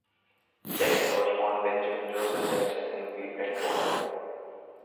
Jackson was born Benjamin Joseph Jackson in Cleveland, Ohio.